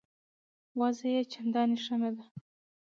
وضع یې چنداني ښه نه ده.